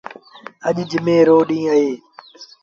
اَڄ جمي رو ڏيٚݩهݩ اهي۔